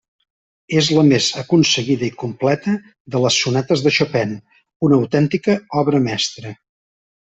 És la més aconseguida i completa de les sonates de Chopin; una autèntica obra mestra.